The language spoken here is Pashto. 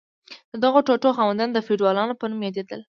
د دغو ټوټو خاوندان د فیوډالانو په نوم یادیدل.